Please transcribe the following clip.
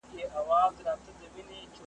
یوه ورځ به تلل کیږي عملونه په مېزان ,